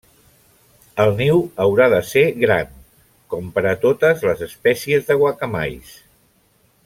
El niu haurà de ser gran, com per a totes les espècies de guacamais.